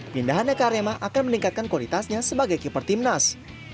pindahannya ke arema akan meningkatkan kualitasnya sebagai keeper timnas